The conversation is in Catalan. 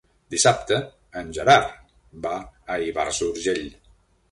Dissabte en Gerard va a Ivars d'Urgell.